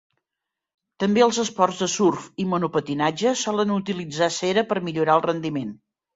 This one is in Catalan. També els esports de surf i monopatinatge solen utilitzar cera per millorar el rendiment..